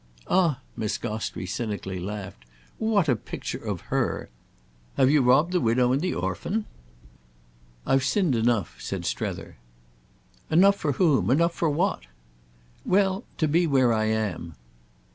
"Ah," Miss Gostrey cynically laughed, "what a picture of her! Have you robbed the widow and the orphan?" "I've sinned enough," said Strether. "Enough for whom? Enough for what?" "Well, to be where I am."